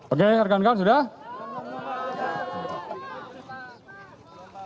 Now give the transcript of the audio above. oke harga angka sudah